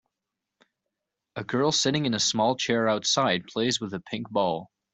A girl sitting in a small chair outside plays with a pink ball.